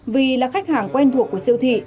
vì là khách hàng quen thuộc của siêu thị